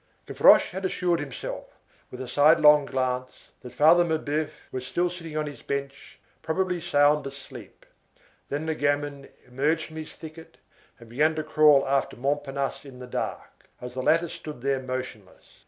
Gavroche had assured himself, with a sidelong glance, that Father Mabeuf was still sitting on his bench, probably sound asleep. Then the gamin emerged from his thicket, and began to crawl after Montparnasse in the dark, as the latter stood there motionless.